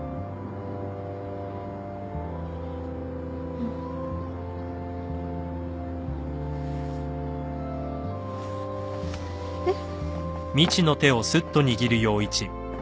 うん。えっ？